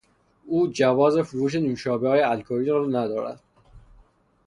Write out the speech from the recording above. او جواز فروش نوشابههای الکلی را ندارد.